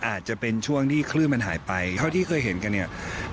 อาจจะเป็นช่วงที่คลื่นมันหายไปเท่าที่เคยเห็นกันเนี่ย